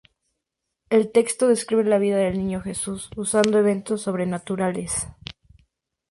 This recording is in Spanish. El texto describe la vida del niño Jesús, usando eventos sobrenaturales.